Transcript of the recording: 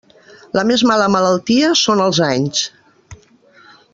La més mala malaltia són els anys.